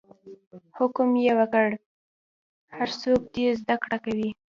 حکم یې وکړ هر څوک دې زده کړه کوي.